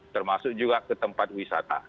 termasuk juga ke tempat wisata